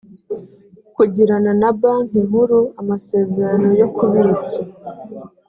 kugirana na banki nkuru amazerano yo kubitsa